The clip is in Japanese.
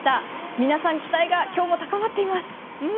皆さん期待が今日も高まっています。